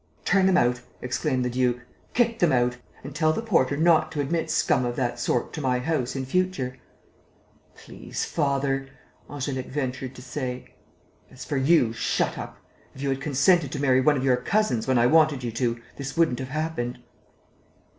"Turn them out!" exclaimed the duke. "Kick them out! And tell the porter not to admit scum of that sort to my house in future." "Please, father ..." Angélique ventured to say. "As for you, shut up! If you had consented to marry one of your cousins when I wanted you to this wouldn't have happened."